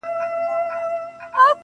o د اوښکو ته مو لپې لوښي کړې که نه.